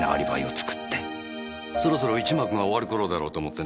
そろそろ一幕が終わるころだろうと思ってね。